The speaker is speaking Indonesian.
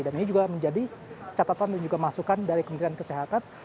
dan ini juga menjadi catatan dan juga masukan dari kementerian kesehatan